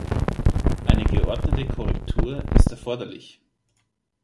Eine geordnete Korrektur ist erforderlich.